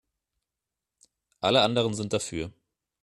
Alle anderen sind dafür.